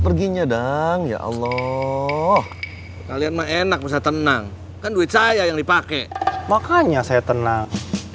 perginya dong ya allah kalian mah enak bisa tenang kan duit saya yang dipakai makanya saya tenang